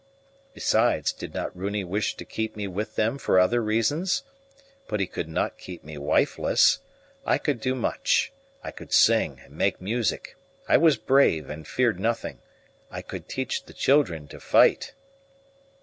Besides, did not Runi wish to keep me with them for other reasons? But he could not keep me wifeless. I could do much: I could sing and make music; I was brave and feared nothing; I could teach the children to fight.